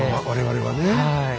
我々はね。